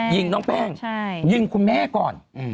ยิงน้องแป้งยิงคุณแม่ก่อน